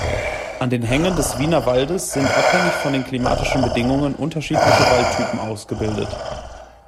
An den Hängen des Wienerwaldes sind abhängig von den klimatischen Bedingungen unterschiedliche Waldtypen ausgebildet.